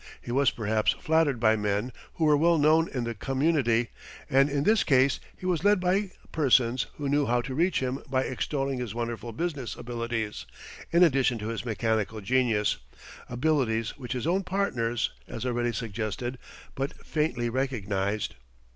He was perhaps flattered by men who were well known in the community; and in this case he was led by persons who knew how to reach him by extolling his wonderful business abilities in addition to his mechanical genius abilities which his own partners, as already suggested, but faintly recognized.